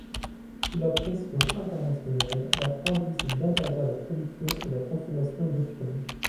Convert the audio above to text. Sous la pression internationale, la France décide d'interdire la production et la consommation d'opium.